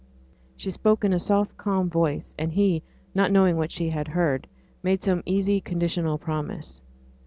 She spoke in a soft, calm voice; and he, not knowing what she had heard, made some easy conditional promise.